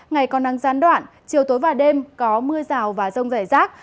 ngày còn đang gián đoạn chiều tối và đêm có mưa rào và rông dài rác